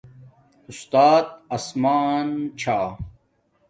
اُستات آسمان چھا